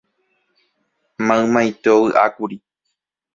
Maymaite ovyʼákuri.